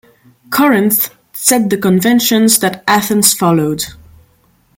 Corinth set the conventions that Athens followed.